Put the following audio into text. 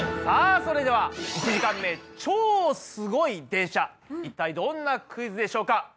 さあそれでは一体どんなクイズでしょうか。